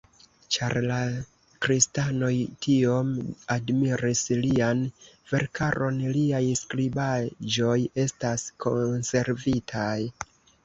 Ĉar la kristanoj tiom admiris lian verkaron, liaj skribaĵoj estas konservitaj.